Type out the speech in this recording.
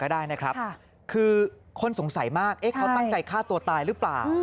ได้นะครับคือคนสงสัยมากเขาตั้งใจฆ่าตัวตายหรือเปล่า